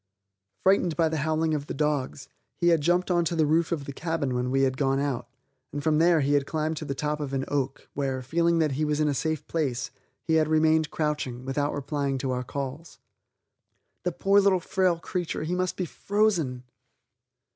Frightened by the howling of the dogs, he had jumped onto the roof of the cabin when we had gone out, and from there he had climbed to the top of an oak, where, feeling that he was in a safe place, he had remained crouching, without replying to our calls. The poor little frail creature, he must be frozen!